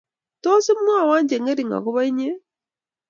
Tos, imwowo chengering agoba inye?